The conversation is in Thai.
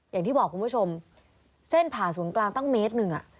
อย่างที่บอกคุณผู้ชมเส้นผ่าศูนย์กลางตั้งเมตรหนึ่ง